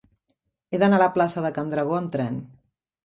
He d'anar a la plaça de Can Dragó amb tren.